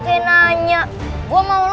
cipar dia bang